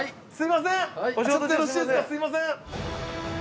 すいません